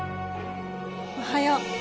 おはよう。